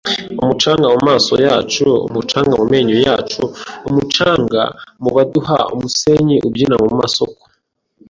umucanga mumaso yacu, umucanga mumenyo yacu, umucanga mubaduha, umusenyi ubyina mumasoko